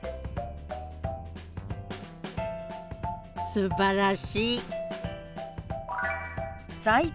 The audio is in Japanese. すばらしい！